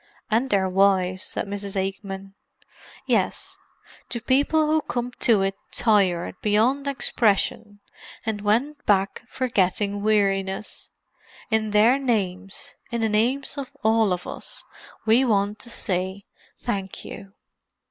"And their wives," said Mrs. Aikman. "Yes—to people who came to it tired beyond expression; and went back forgetting weariness. In their names—in the names of all of us—we want to say 'Thank you.